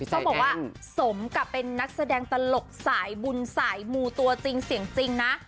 เราบอกว่าสมกับเป็นนักแสดงตลกสายบุญสายมู่ตัวสิ่งจริงนะ